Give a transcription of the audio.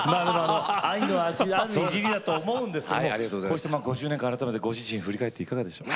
愛のあるいじりだと思うんですけどもこうして５０年間改めてご自身振り返っていかがでしょう？